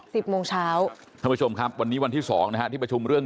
สิบโมงเช้าท่านผู้ชมครับวันนี้วันที่สองนะฮะที่ประชุมเรื่อง